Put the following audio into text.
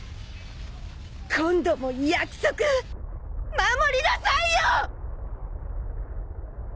今度も約束守りなさいよ！